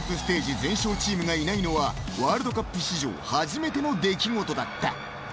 全勝チームがいないのはワールドカップ史上初めての出来事だった。